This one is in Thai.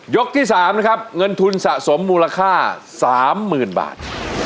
ยกที่สามนะครับเงินทุนสะสมมูลค่าสามหมื่นบาท